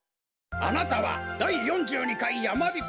あなたはだい４２かいやまびこ